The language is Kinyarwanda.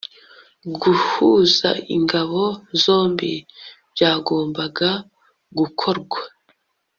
guhuza ingabo zombi byagombaga gukorwa